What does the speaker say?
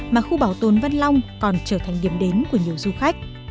mà khu bảo tồn văn long còn trở thành điểm đến của nhiều du khách